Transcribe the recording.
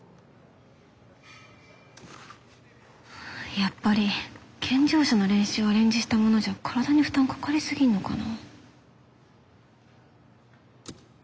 やっぱり健常者の練習をアレンジしたものじゃ体に負担かかりすぎるのかな。